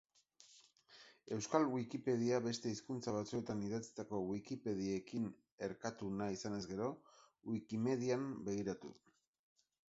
Euskal Wikipedia beste hizkuntza batzuetan idatzitako Wikipediekin erkatu nahi izanez gero, WikiMedian begiratu.